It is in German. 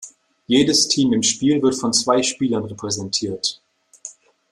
Jedes Team im Spiel wird von zwei Spielern repräsentiert.